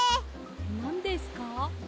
なんですか？